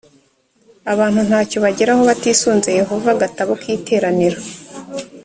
abantu nta cyo bageraho batisunze yehova agatabo k iteraniro